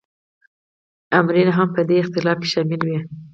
آمرین هم په دې اختلاف کې شامل وي.